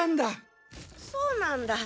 そうなんだ。